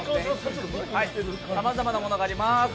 さまざまなものがあります。